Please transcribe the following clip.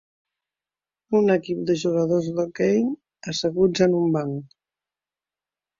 Un equip de jugadors d'hoquei asseguts en un banc.